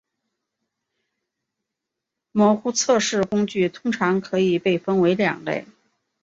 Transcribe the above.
模糊测试工具通常可以被分为两类。